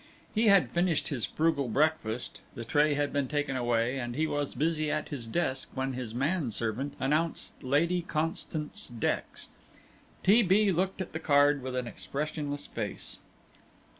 He had finished his frugal breakfast, the tray had been taken away, and he was busy at his desk when his man servant announced Lady Constance Dex. T. B. looked at the card with an expressionless face.